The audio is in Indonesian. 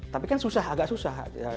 tapi kan susah agak susah